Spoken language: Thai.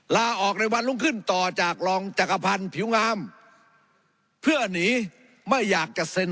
ลาออกในวันรุ่งขึ้นต่อจากรองจักรพันธ์ผิวงามเพื่อหนีไม่อยากจะเซ็น